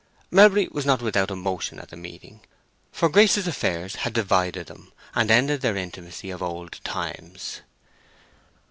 Melbury was not without emotion at the meeting; for Grace's affairs had divided them, and ended their intimacy of old times.